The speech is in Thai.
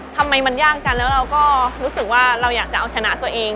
ทำไมมันย่างกันแล้วเราก็รู้สึกว่าเราอยากจะเอาชนะตัวเอง